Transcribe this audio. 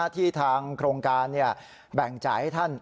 ที่ทางโครงการแบ่งจ่ายให้ท่าน